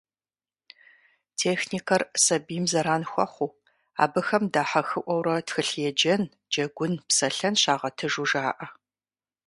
Техникэр сабийм зэран хуэхъуу, абыхэм дахьэхыӀуэурэ тхылъ еджэн, джэгун, псэлъэн щагъэтыжу жаӀэ.